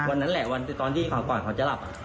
วันนั้นแหละวันตอนที่ก็ก่อนเค้าจะหลับอะ